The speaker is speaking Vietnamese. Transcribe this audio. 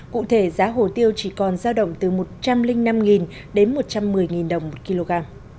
cụ thể giá hồ tiêu chỉ còn giao động từ một trăm linh năm đến một trăm một mươi đồng một kg